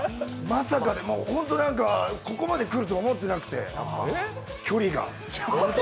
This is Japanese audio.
まさか、ここまで来ると思ってなくて、距離が。